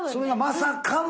まさかの！